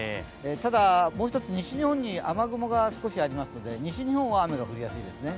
ただ、もう１つ西日本に雨雲が１つありますので、西日本は雨が降りやすいですね。